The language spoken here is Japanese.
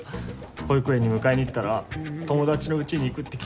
保育園に迎えに行ったら友達の家に行くって聞かなくて。